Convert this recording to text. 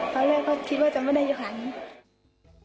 ตอนแรกก็คิดว่าจะไม่ได้อยู่ครั้งนี้